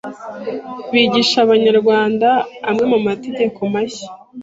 bigisha Abanyarwanda amwe mu mategeko mashya